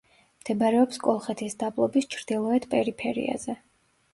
მდებარეობს კოლხეთის დაბლობის ჩრდილოეთ პერიფერიაზე.